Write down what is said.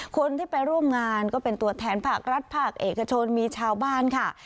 คนที่ไปร่วมงานก็เป็นตัวแทนภาครัฐภาคเอกชนมีชาวบ้านค่ะ